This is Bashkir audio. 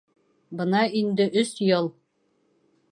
Бына инде өс йыл.